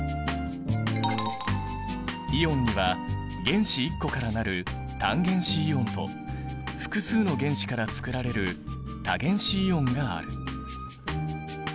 イオンには原子１個から成る単原子イオンと複数の原子からつくられる多原子イオンがある。